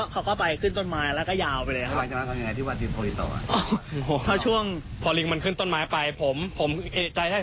เขาก็ไปขึ้นต้นไม้แล้วก็ยาวไปเลย